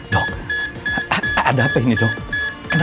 dok ada apa ini dok